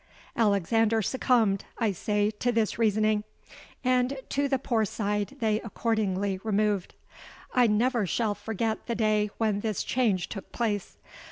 '—Alexander succumbed, I say, to this reasoning; and to the Poor Side they accordingly removed. I never shall forget the day when this change took place.